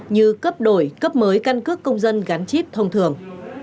như cấp đổi cấp mới căn cước công dân gắn chip thông thường